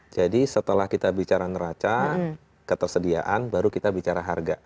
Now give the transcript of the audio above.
setelah kita bicara neraca ketersediaan baru kita bicara harga